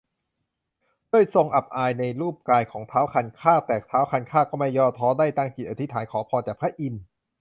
ด้วยทรงอับอายในรูปกายของท้าวคันคาก แต่ท้าวคันคากก็ไม่ย่อท้อ ได้ตั้งจิตอธิษฐานขอพรจากพระอินทร์